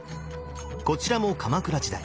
こちらも鎌倉時代。